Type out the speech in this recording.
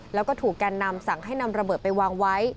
แล้วก็ถูกแกนนำสั่งให้นำระเบิดไปวางไว้